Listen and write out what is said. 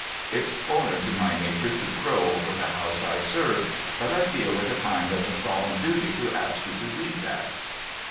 * It's foreign to my nature to crow over the house I serve, but I feel it a kind of a solemn duty to ask you to read that.'